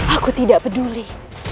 aku tidak peduli